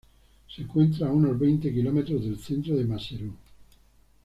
Se encuentra a unos veinte kilómetros del centro de Maseru.